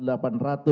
dengan saudara anang